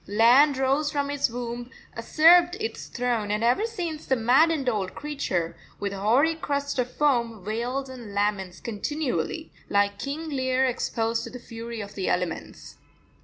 Land rose from its womb, usurped its throne, and ever since the maddened old creature, with hoary crest of foam, wails and laments continually, like King Lear exposed to the fury of the elements.